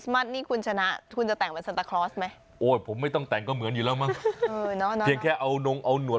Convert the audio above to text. มีของมาแจกไหมของขวัญอะไรอย่างนี้